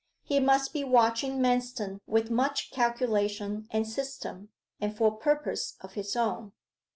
He must be watching Manston with much calculation and system, and for purposes of his own.